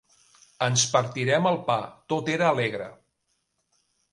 Ens partírem el pa; tot era alegre.